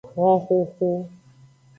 Honxoxo.